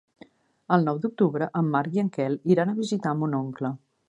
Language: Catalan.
El nou d'octubre en Marc i en Quel iran a visitar mon oncle.